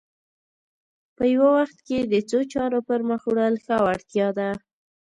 په یوه وخت کې د څو چارو پر مخ وړل ښه وړتیا ده